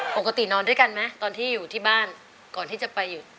ปกตินอนด้วยกันไหมตอนที่อยู่ที่บ้านก่อนที่จะไปหยุด